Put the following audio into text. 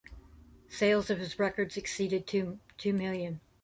Sales of his records exceeded two million.